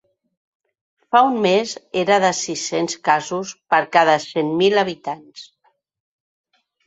Fa un mes era de sis-cents casos per cada cent mil habitants.